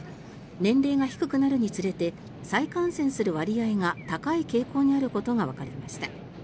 年齢が低くなるにつれて再感染する割合が高い傾向にあることがわかりました。